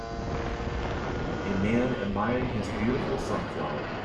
A man admiring his beautiful sunflower.